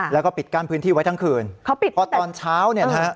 แล้วก็ปิดกั้นพื้นที่ไว้ทั้งคืนเขาปิดพอตอนเช้าเนี่ยนะฮะ